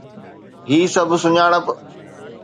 هي سڀ سڃاڻپ